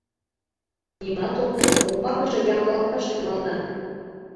— Нимат отыл, умбакыже ямдылалташ тӱҥалына.